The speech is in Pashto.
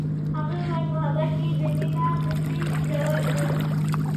هغې وویل محبت یې د مینه په څېر ژور دی.